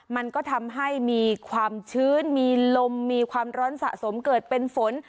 มันก็ทำให้มีความชื้นมีลมมีความร้อนสะสมเกิดเป็นฝน